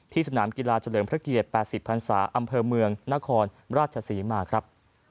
สนามกีฬาเฉลิมพระเกียรติ๘๐พันศาอำเภอเมืองนครราชศรีมาครับ